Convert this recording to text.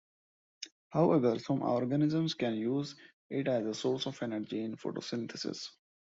However, some organisms can use it as a source of energy in photosynthesis.